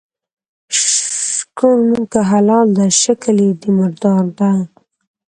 شکوڼ که حلال ده شکل یي د مردار ده.